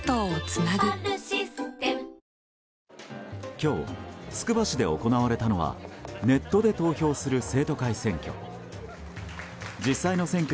今日、つくば市で行われたのはネットで投票する生徒会選挙。